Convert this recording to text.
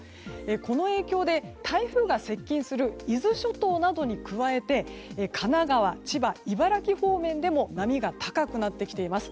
この影響で、台風が接近する伊豆諸島などに加えて神奈川、千葉、茨城方面でも波が高くなってきています。